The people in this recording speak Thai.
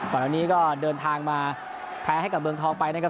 ก่อนอันนี้ก็เดินทางมาแพ้ให้กับเมืองทองไปนะครับ